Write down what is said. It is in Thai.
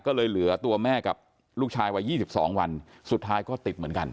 ก็เลยเหลือตัวแม่กับลูกชายวัย๒๒วันสุดท้ายก็ติดเหมือนกัน